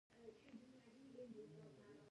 دښتې د فرهنګي پیژندنې یوه برخه ده.